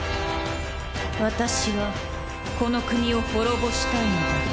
私はこの国を滅ぼしたいのだ。